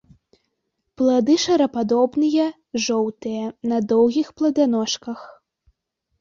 Плады шарападобныя, жоўтыя, на доўгіх пладаножках.